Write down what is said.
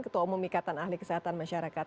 ketua umum ikatan ahli kesehatan masyarakat